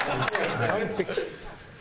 完璧。